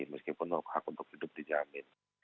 meskipun hak untuk hidup dijamin